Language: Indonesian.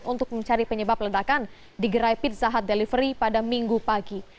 untuk mencari penyebab ledakan di gerai pizza hut delivery pada minggu pagi